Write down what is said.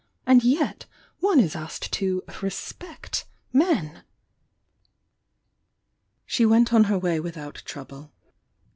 And yet one is asked to 'respect' men!" She wsnt on her way without trouble.